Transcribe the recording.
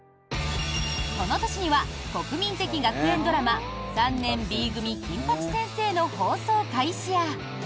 この年には国民的学園ドラマ「３年Ｂ組金八先生」の放送開始や。